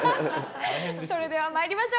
それでは参りましょう。